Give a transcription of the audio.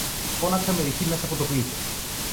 φώναξαν μερικοί από μέσα από το πλήθος.